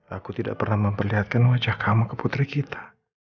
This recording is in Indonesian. aku tidak pernah memperlihatkan wajah kamu ke putri kita